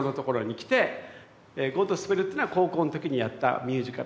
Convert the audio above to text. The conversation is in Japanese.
「ゴッドスペル」というのは高校の時にやったミュージカル。